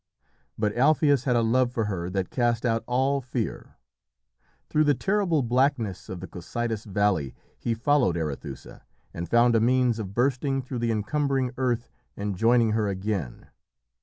But Alpheus had a love for her that cast out all fear. Through the terrible blackness of the Cocytus valley he followed Arethusa, and found a means of bursting through the encumbering earth and joining her again.